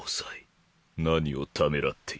何をためらっている。